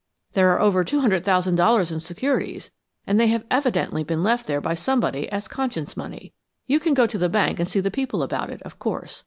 There are over two hundred thousand dollars in securities and they have evidently been left there by somebody as conscience money. You can go to the bank and see the people about it, of course.